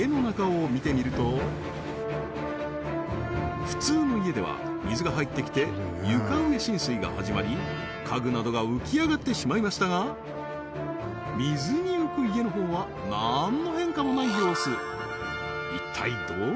でも普通の家では水が入ってきて床上浸水が始まり家具などが浮き上がってしまいましたが水に浮く家の方は何の変化もない様子